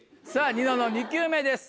ニノの２球目です。